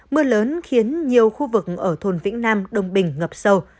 mưa lớn khiến nhiều khu vực ở thôn vĩnh nam đông bình ngập sâu